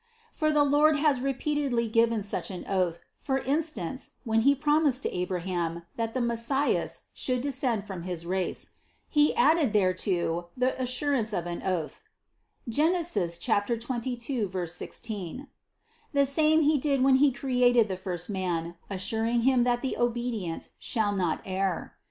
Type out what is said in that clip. For the Lord has repeatedly given such an oath; for instance, when He promised to Abraham that the Messias should descend from his race, He added thereto the assurance of an oath (Gen. 22, 16) ; the same He did when He created the first man, assuring him that the obedient shall not err.